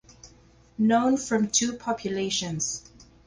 Known from two populations.